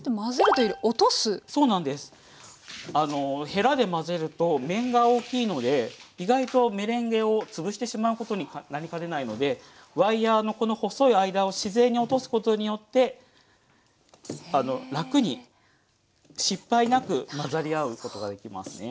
へらで混ぜると面が大きいので意外とメレンゲを潰してしまうことになりかねないのでワイヤーのこの細い間を自然に落とすことによってあの楽に失敗なく混ざり合うことができますね。